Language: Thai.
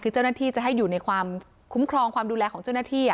คือเจ้าหน้าที่จะให้อยู่ในความคุ้มครองความดูแลของเจ้าหน้าที่